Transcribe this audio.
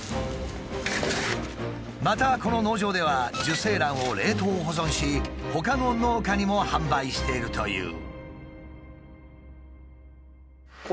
またこの農場では受精卵を冷凍保存しほかの農家にも販売しているという。